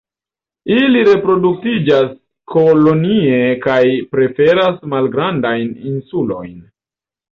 Ili reproduktiĝas kolonie kaj preferas malgrandajn insulojn.